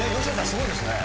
すごいですね。